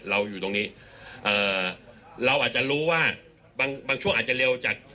เราอยู่ตรงนี้เอ่อเราอาจจะรู้ว่าบางบางช่วงอาจจะเร็วจาก